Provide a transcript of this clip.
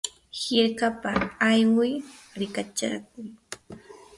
hirkapa ayway rikachakuq.